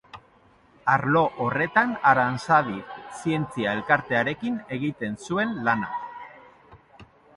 Arlo horretan Aranzadi Zientzia Elkartearekin egiten zuen lana.